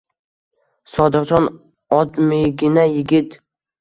Sodiqjon odmigina yigit.